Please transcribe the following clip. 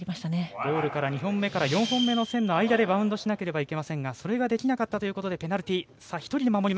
ゴールから２本目から４本目の線の間でバウンドしないといけませんがそれができなかったことからペナルティー。